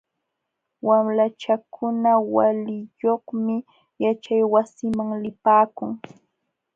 Wamlachakuna waliyuqmi yaćhaywasiman lipaakun.